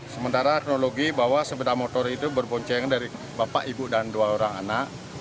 sementara kronologi bahwa sepeda motor itu berboncengan dari bapak ibu dan dua orang anak